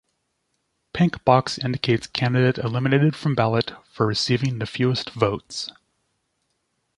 Pink box indicates candidate eliminated from ballot for receiving the fewest votes.